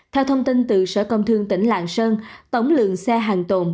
theo thông tin từ sở công thương tỉnh lạng sơn tổng lượng xe hàng tồn